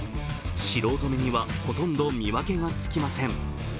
素人目にはほとんど見分けがつきません。